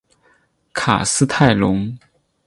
卡斯泰龙。